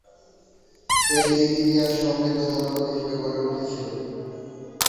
এটি ইতিহাস সমৃদ্ধ জনপদ হিসেবে গড়ে উঠেছিল।